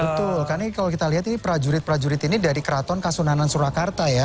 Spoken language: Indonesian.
betul karena kalau kita lihat ini prajurit prajurit ini dari keraton kasunanan surakarta ya